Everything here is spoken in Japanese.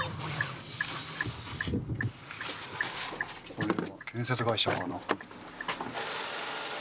これは建設会社かな？